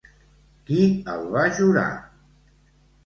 Qui el va jurar?